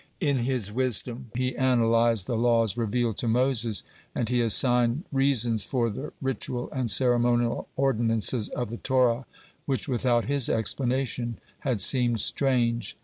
In his wisdom he analyzed the laws revealed to Moses, and he assigned reasons for the ritual and ceremonial ordinances of the Torah, which without his explanation had seemed strange.